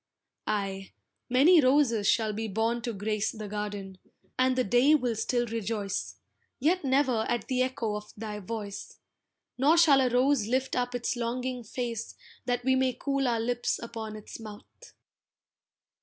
Aye, many roses shall be born to grace The garden, and the day will still rejoice, Yet never at the echo of thy voice, Nor shall a rose lift up its longing face That we may cool our lips upon its mouth.